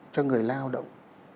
cho người lao động